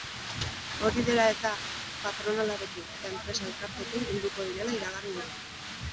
Hori dela eta, patronalarekin eta enpresa elkarteekin bilduko direla iragarri du.